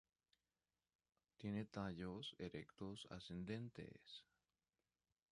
Tiene tallos erectos ascendentes.